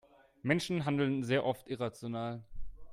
Menschen handeln sehr oft irrational.